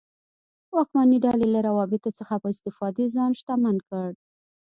واکمنې ډلې له روابطو څخه په استفادې ځان شتمن کړ.